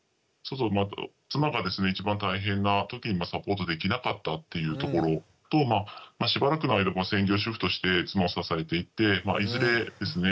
妻がですね一番大変な時にサポートできなかったっていうところとしばらくの間専業主夫として妻を支えていっていずれですね